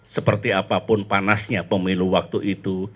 seperti apapun panasnya pemilu waktu itu